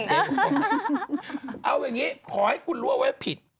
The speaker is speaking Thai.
เอาอย่างนี้ขอให้คุณรู้เอาไว้ผิด